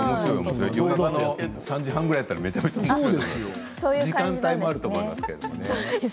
夜中の３時半ぐらいだったら、めちゃめちゃおもしろい時間帯もあると思いますけれど。